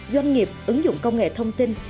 doanh nghiệp ứng dụng công nghệ thông tin